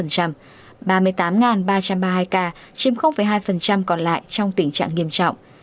ba mươi tám ba trăm ba mươi hai ca chiếm hai còn lại trong tình trạng nghiêm trọng